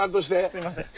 すいません。